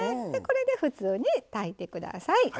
これで普通に炊いて下さい。